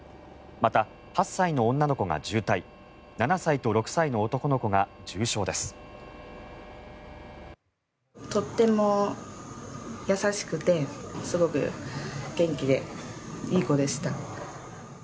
また、８歳の女の子が重体７歳と６歳の男の子が重傷です。